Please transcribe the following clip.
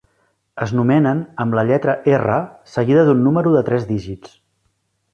Es nomenen amb la lletra "R" seguida d'un número de tres dígits.